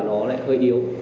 nó lại hơi yếu